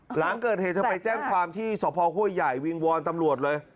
หลังเกิดเหตุเธอไปแจ้งความที่สพห้วยใหญ่วิงวอนตำรวจเลย